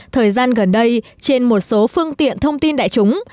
thời gian gần đây trên một số phương tiện thông tin đại chúng